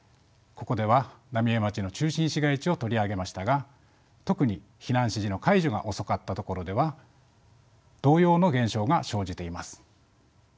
ここでは浪江町の中心市街地を取り上げましたが特に避難指示の解除が遅かったところでは同様の現象が生じています。